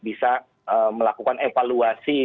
bisa melakukan evaluasi